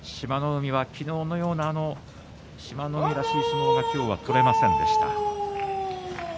海は昨日のような志摩ノ海らしい相撲が今日は取れませんでした。